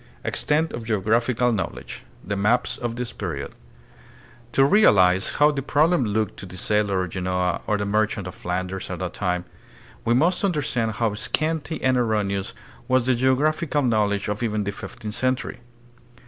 Extent of Geographical Knowledge. The Maps of this Period. To realize Kow the problem looked to the sailor of Genoa or the merchant of Flanders at that time, EUROPE AND THE FAR EAST ABOUT 1400 A.D. 53 we must understand how scanty and erroneous was the geographical knowledge of even the fifteenth century.